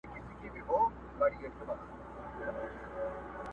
سړي وویل نه غواوي نه اوښان سته٫